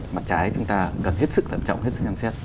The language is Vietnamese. mặt trái chúng ta gần hết sức tận trọng hết sức nhằm xét